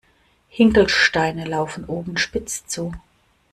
Hinkelsteine laufen oben spitz zu.